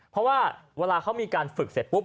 เพราะว่าเวลาเขามีการฝึกเสร็จปุ๊